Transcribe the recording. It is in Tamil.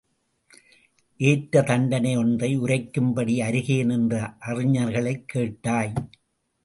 ஏற்ற தண்டனையொன்றை யுரைக்கும்படி அருகே நின்ற அறிஞர்களைக் கேட்டாய்.